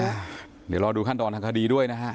เดี๋ยวรอดูขั้นตอนทางคดีด้วยนะฮะ